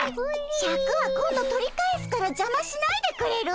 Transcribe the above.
シャクは今度取り返すからじゃましないでくれる？